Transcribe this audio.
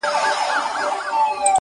پر دېوان مي یم پښېمانه خپل شعرونه ښخومه؛